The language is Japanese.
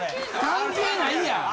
関係ないやん。